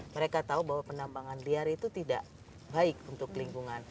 mereka tahu bahwa penambangan liar itu tidak baik untuk lingkungan